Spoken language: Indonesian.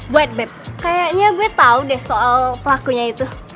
wait beb kayaknya gue tau deh soal pelakunya itu